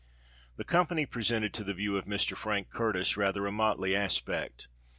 The company presented to the view of Mr. Frank Curtis rather a motley aspect.